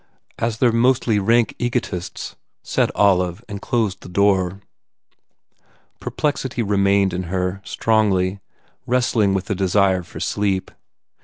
"As they re mostly rank .egotists," said Olive and closed the door. Perplexity remained in her strongly wrestling with the desire for sleep.